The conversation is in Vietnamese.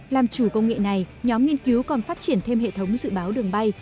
làm chủ công nghệ này nhóm nghiên cứu còn phát triển thêm hệ thống dự báo đường bay